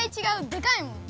でかいもん。